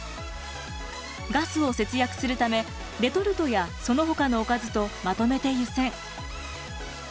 ガスを節約するためレトルトやそのほかのおかずとまとめて湯せん。